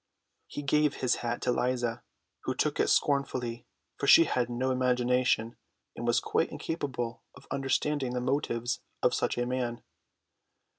He gave his hat to Liza, who took it scornfully; for she had no imagination, and was quite incapable of understanding the motives of such a man.